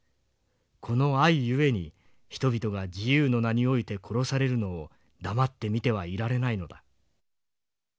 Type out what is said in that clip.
この愛ゆえに人々が自由の名において殺されるのを黙って見てはいられないのだ」。